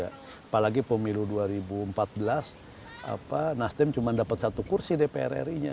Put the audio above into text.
apalagi pemilu dua ribu empat belas nasdem cuma dapat satu kursi dpr ri nya